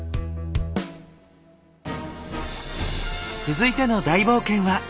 続いての大冒険は？